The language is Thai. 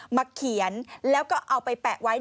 เขียนแล้วก็เอาไปแปะไว้